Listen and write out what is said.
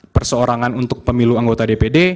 perseorangan untuk pemilu anggota dpd